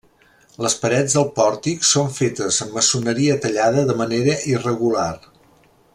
Les parets del pòrtic són fetes amb maçoneria tallada de manera irregular.